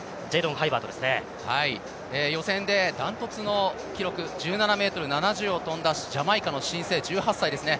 予選でダントツの記録、１７ｍ７０を飛んだジャマイカの新星１８歳ですね。